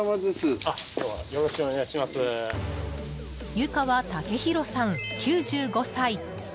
湯川武弘さん、９５歳。